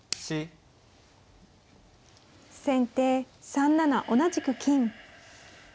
先手３七同じく金。